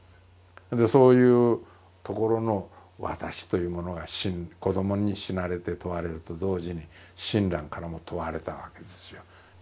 そういうところの私というものが子どもに死なれて問われると同時に親鸞からも問われたわけですよ。